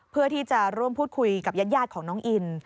เพื่อที่จะร่วมพูดคุยกับญาติของน้องอิน